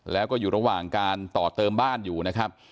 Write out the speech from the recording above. แล้วก็อยู่ระหว่างการต่อเติมบ้านอยู่นะครับ